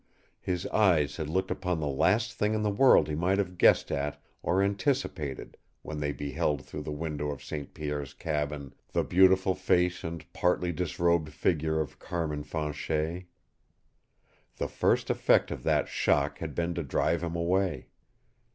His eyes had looked upon the last thing in the world he might have guessed at or anticipated when they beheld through the window of St. Pierre's cabin the beautiful face and partly disrobed figure of Carmin Fanchet. The first effect of that shock had been to drive him away.